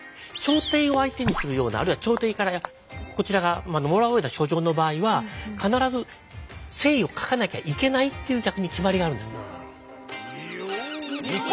朝廷を相手にするようなあるいは朝廷からこちらがもらうような書状の場合は必ず姓を書かなきゃいけないっていう逆に決まりがあるんですね。